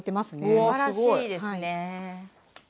すばらしいですね！